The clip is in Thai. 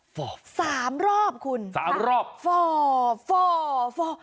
ฟอฟอฟอฟอฟอฟอฟอฟอฟอฟอฟอฟอฟอฟอฟอฟอฟอฟอฟอ